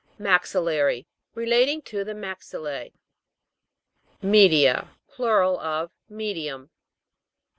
MAX'ILLARY. Relating to the Max ill. ME'DIA. Plural of Medium.